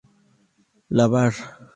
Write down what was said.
La var.